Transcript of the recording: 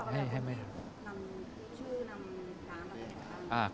ให้บอกแบบชื่อนำการอะไร